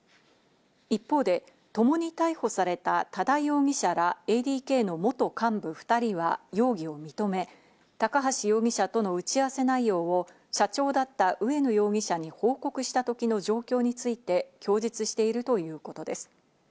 一方で、ともに逮捕された多田容疑者らＡＤＫの元幹部２人は容疑を認め、高橋容疑者との打ち合わせ内容を社長だった植野容疑者に報告した時の状況について供述しているということです。